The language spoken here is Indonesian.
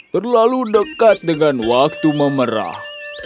terlalu dekat dengan waktu memerah